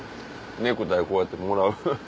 ネクタイこうやってもらう。